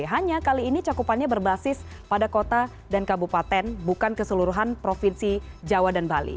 hanya kali ini cakupannya berbasis pada kota dan kabupaten bukan keseluruhan provinsi jawa dan bali